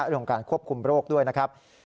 ของการควบคุมโรคด้วยนะครับ